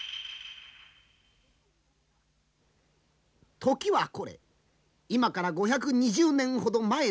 時はこれ今から５２０年ほど前の春。